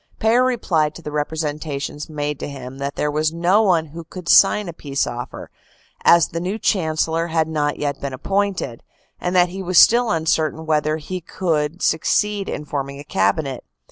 Payer replied to the representations made to him that there was no one who could sign a peace offer, as the new Chancellor had not yet been ap pointed, and that he was still uncertain whether he could suc ceed in forming a Cabinet.